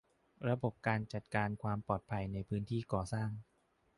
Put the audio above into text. ระบบการจัดการความปลอดภัยในพื้นที่ก่อสร้าง